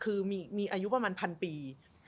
คือมีอายุประมาณพันปี